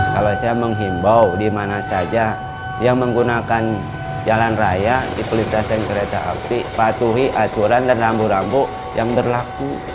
kalau saya menghimbau di mana saja yang menggunakan jalan raya di pelintasan kereta api patuhi aturan dan rambu rambu yang berlaku